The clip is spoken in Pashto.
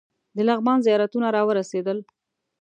د لغمان زیارتونه راورسېدل.